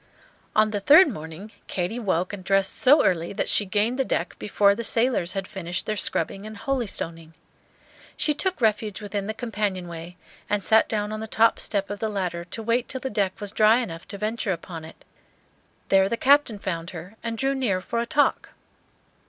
On the third morning Katy woke and dressed so early, that she gained the deck before the sailors had finished their scrubbing and holystoning. She took refuge within the companion way, and sat down on the top step of the ladder, to wait till the deck was dry enough to venture upon it. There the Captain found her and drew near for a talk.